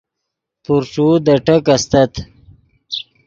پورݯو دے ٹیک استت